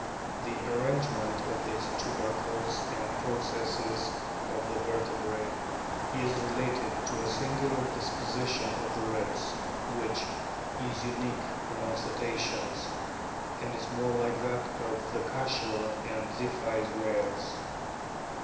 The arrangement of these tubercles and processes of the vertebrae is related to a singular disposition of the ribs, which is unique among Cetaceans, and is more like that of the Cachalot and Ziphioid whales.